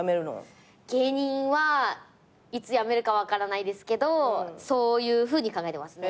芸人はいつやめるか分からないですけどそういうふうに考えてますね。